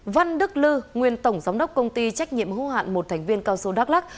văn đức lư nguyên tổng giám đốc công ty trách nhiệm hữu hạn một thành viên cao su đắk lắc